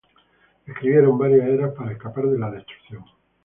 Escribieron varias Eras para escapar de la destrucción.